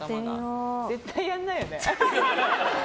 絶対にやらないよね。